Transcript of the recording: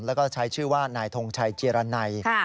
แล้วก็ใช้ชื่อว่านายทงชัยเจรนัย